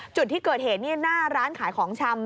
จุดที่เกิดเหตุนี่หน้าร้านขายของชำ